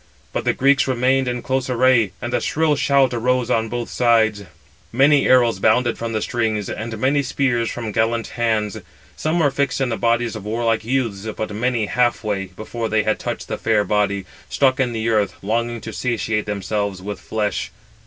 But the Greeks remained in close array, and a shrill shout arose on both sides. [Many] arrows bounded from the strings, and many spears from gallant hands: some were fixed in the bodies of warlike youths, but many half way, before they had touched the fair body, stuck in the earth, longing to satiate themselves with flesh.